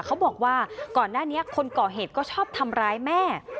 เขาบอกว่าก่อนหน้านี้คนก่อเหตุก็ชอบทำร้ายแม่